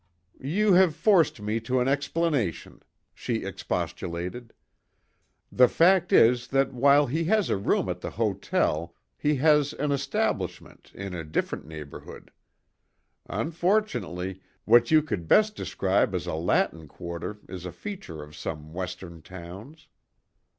"You have forced me to an explanation," she expostulated. "The fact is that while he has a room at the hotel he has an establishment in a different neighbourhood. Unfortunately, what you could best describe as a Latin quarter is a feature of some Western towns."